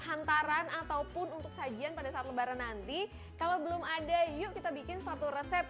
hantaran ataupun untuk sajian pada saat lebaran nanti kalau belum ada yuk kita bikin satu resep